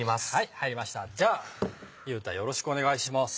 入りましたじゃあ結太よろしくお願いします。